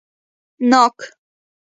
🍐ناک